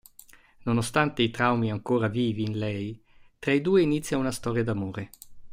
Nonostante i traumi ancora vivi in lei, tra i due inizia una storia d'amore.